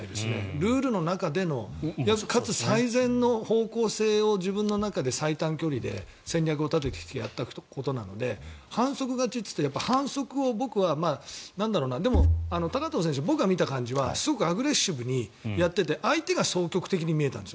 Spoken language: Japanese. ルールの中での勝つ最善の方向性を自分の中で最短距離で戦略を立ててやってきたことなので反則勝ちって反則を僕はでも高藤選手、僕が見た感じはすごくアグレッシブにやってて相手が消極的に見えたんです。